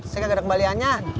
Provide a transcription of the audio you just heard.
saya nggak ada kembaliannya